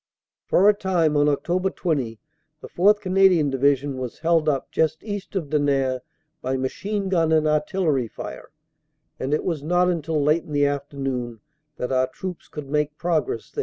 "For a time on Oct. 20 the 4th. Canadian Division was held up just east of Denain by machine gun and artillery fire, and it was not until late in the afternoon that our troops could make progress there.